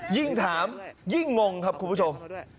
ยิ่งถามยิ่งงงครับคุณผู้ชม